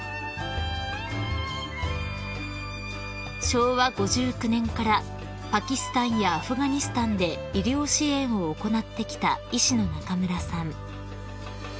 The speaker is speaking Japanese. ［昭和５９年からパキスタンやアフガニスタンで医療支援を行ってきた医師の中村さん］